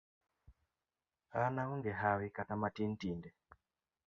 An aonge hawi kata matin tinde.